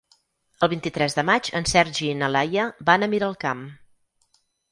El vint-i-tres de maig en Sergi i na Laia van a Miralcamp.